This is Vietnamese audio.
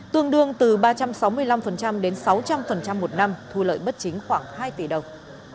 tương đương từ ba trăm sáu mươi năm đến sáu trăm linh một năm thu lợi bất chính khoảng hai tỷ đồng